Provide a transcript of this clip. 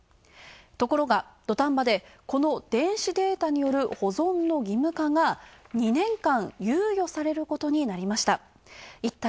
ところが土壇場でこの電子データによる保存の義務化が２年間、猶予されることになりました。